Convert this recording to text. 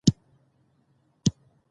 ځلېدل یې د لمر وړانګو کي موجونه